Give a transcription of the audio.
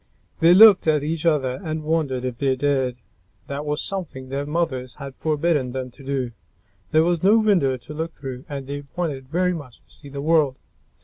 They looked at each other and wondered if they dared. That was something their mother had forbidden them to do. There was no window to look through and they wanted very much to see the world.